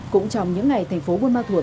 cũng trong những ngày thành phố buôn ma thuột